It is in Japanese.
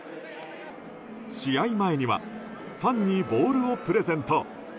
試合前にはファンにボールをプレゼント。